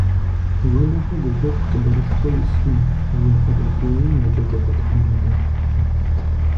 - Уэлэхьэ, ди хэку хъыбарышхуэ илъмэ, - жи Къэбэрдейм я джэгуакӀуэ тхьэмадэм.